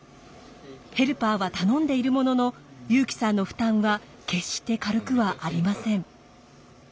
ヘルパーは頼んでいるものの優輝さんの負担は決して軽くはありません。